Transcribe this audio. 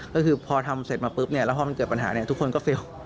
ก็คือพอทำเสร็จมาปุ๊บแล้วพอมันเกิดปัญหาทุกคนก็เฟลล์